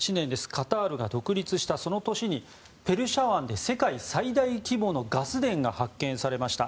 カタールが独立したその年にペルシャ湾で世界最大規模のガス田が発見されました。